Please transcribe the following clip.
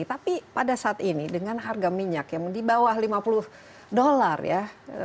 tapi pada saat ini dengan harga minyak yang di bawah lima puluh dolar ya